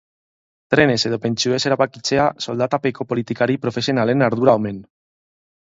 Trenez edo pentsioez erabakitzea soldatapeko politikari profesionalen ardura omen.